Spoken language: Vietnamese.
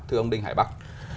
thưa ông đinh hải bắc